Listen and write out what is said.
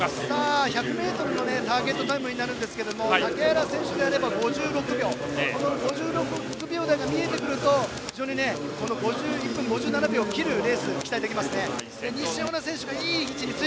１００のターゲットタイムですが竹原選手であれば５６秒台が見えてくると非常に１分５７秒を切るレースを期待できます。